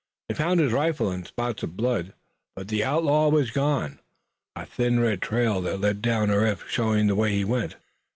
They found his rifle and spots of blood, but the outlaw was gone, a thin red trail that led down a rift showing the way he went.